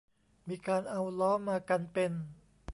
มีการเอาล้อมากันเป็น